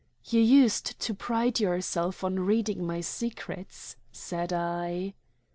"You used to pride yourself on reading my secrets," said I.